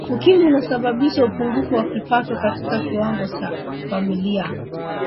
ukimwi unasababisha upungufu wa kipato Katika kiwango cha familia